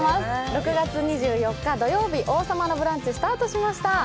６月２４日土曜日、「王様のブランチ」スタートしました。